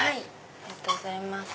ありがとうございます。